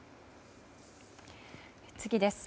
次です。